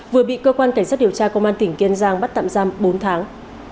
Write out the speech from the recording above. vừa bị cơ quan cảnh sát điều tra công an tỉnh kiên giang bắt tạm giam bốn tháng